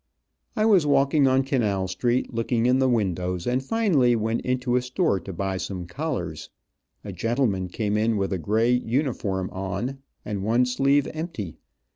I was walking on Canal street, looking in the windows, and finally went into a store to buy some collars. A gentleman came in with a gray uniform on, and one sleeve empty.